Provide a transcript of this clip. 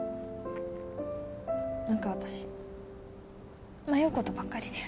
何かわたし迷うことばっかりで。